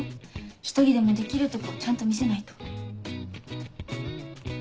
１人でもできるとこちゃんと見せないと。